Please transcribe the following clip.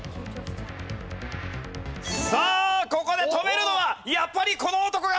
さあここで止めるのはやっぱりこの男か？